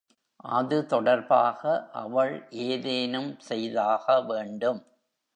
அது தொடர்பாக அவள் ஏதேனும் செய்தாக வேண்டும்.